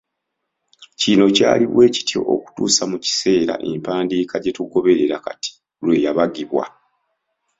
Kino kyali bwe kityo okutuusa mu kiseera empandiika gye tugoberera kati lwe yabagibwa.